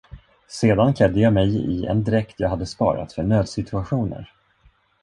Sedan klädde jag mig i en dräkt jag hade sparat för nödsituationer.